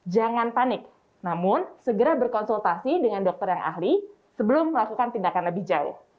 jangan panik namun segera berkonsultasi dengan dokter yang ahli sebelum melakukan tindakan lebih jauh